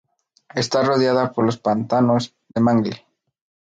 Está rodeada por los pantanos de mangle.